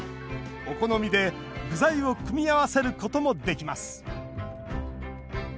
お好みで具材を組み合わせることもできます。